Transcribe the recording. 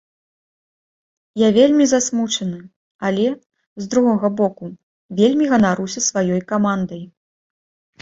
Я вельмі засмучаны, але, з другога боку, вельмі ганаруся сваёй камандай.